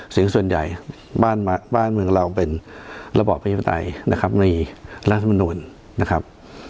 สิ่งที่ส่วนใหญ่บ้านเมืองเราเป็นระบอบพฤตัยนะครับมีราชมนุนนะครับ